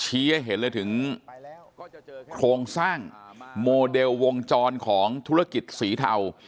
ให้เห็นเลยถึงโครงสร้างโมเดลวงจรของธุรกิจสีเทา